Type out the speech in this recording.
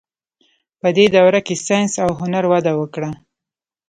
په دې دوره کې ساینس او هنر وده وکړه.